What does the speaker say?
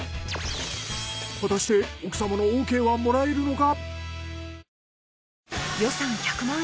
果たして奥様のオーケーはもらえるのか？